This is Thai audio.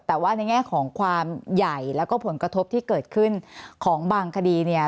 แต่ว่าในแง่ของความใหญ่แล้วก็ผลกระทบที่เกิดขึ้นของบางคดีเนี่ย